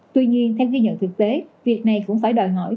tuy nhiên theo ghi nhận thực tế việc này cũng phải đòi hỏi